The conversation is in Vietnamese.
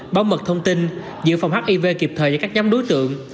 bảo mật thông tin giữ phòng hiv kịp thời cho các nhóm đối tượng